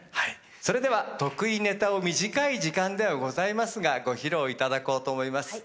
それでは得意ネタを短い時間ではございますがご披露いただこうと思います。